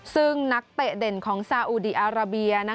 ซึ่งนักเตะเด่นของซาอุดีอาราเบีย